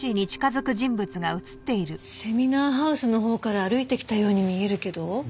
セミナーハウスのほうから歩いてきたように見えるけど？